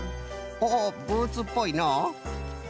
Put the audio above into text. おおブーツっぽいのう。